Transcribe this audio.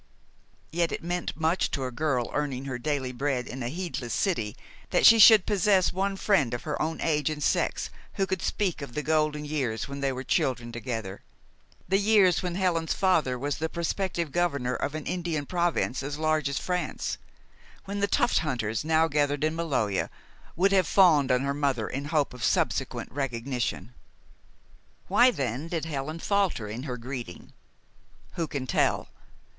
Yet it meant much to a girl earning her daily bread in a heedless city that she should possess one friend of her own age and sex who could speak of the golden years when they were children together, the years when Helen's father was the prospective governor of an Indian province as large as France; when the tuft hunters now gathered in Maloja would have fawned on her mother in hope of subsequent recognition. Why, then, did Helen falter in her greeting? Who can tell?